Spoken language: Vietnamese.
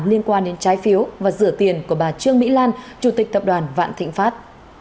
liên quan đến trái phiếu và rửa tiền của bà trương mỹ lan chủ tịch tập đoàn vạn thịnh pháp